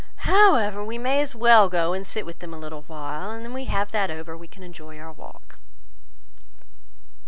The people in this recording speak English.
However, we may as well go and sit with them a little while, and when we have that over, we can enjoy our walk."